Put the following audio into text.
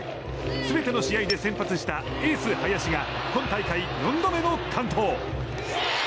全ての試合で先発したエース林が今大会４度目の完投。